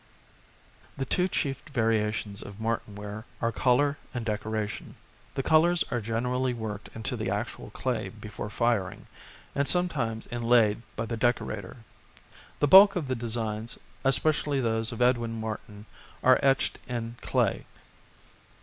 The two chief variations of Martinware are colour and decoration. The colours are generally worked into the actual clay before " firing," and sometimes inlaid by the decorator. The bulk of the designs, especially those of Edwin Martin, are etched in clay.